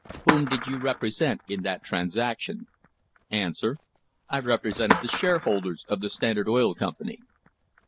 Whom did you represent in that transaction ? A. I represented the shareholders of the Standard Oil Company.